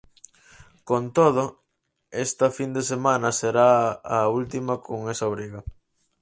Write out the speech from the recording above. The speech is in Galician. Con todo, esta fin de semana será a última con esa obriga.